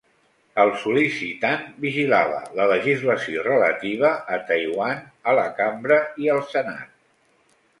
El sol·licitant vigilava la legislació relativa a Taiwan a la Cambra i al Senat.